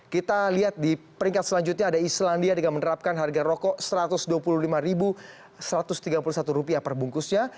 kita lihat di peringkat selanjutnya ada islandia dengan menerapkan harga rokok rp satu ratus dua puluh lima satu ratus tiga puluh satu perbungkusnya